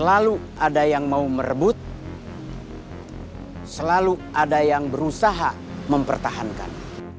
ada yang berusaha mempertahankan